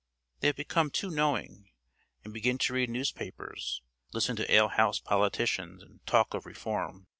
They have become too knowing, and begin to read newspapers, listen to alehouse politicians, and talk of reform.